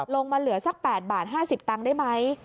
ลงมาเหลือสัก๘๕๐บาทได้ไหม